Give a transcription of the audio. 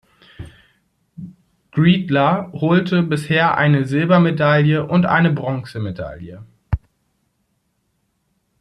Gredler holte bisher eine Silbermedaille und eine Bronzemedaille.